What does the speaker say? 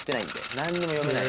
何にも読めない。